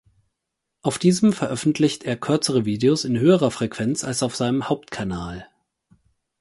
Auf diesem veröffentlicht er kürzere Videos in höherer Frequenz als auf seinem Hauptkanal.